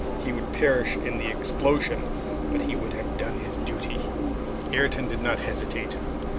He would perish in the explosion, but he would have done his duty. Ayrton did not hesitate.